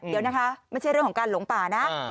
เดี๋ยวนะคะไม่ใช่เรื่องของการหลงป่านะ